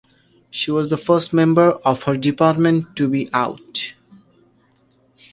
She was the first member of her department to be out.